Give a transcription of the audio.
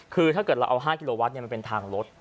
คือถ้าเกิดเราเอา๕กิโลวัตต์เนี่ยมันเป็นทางลด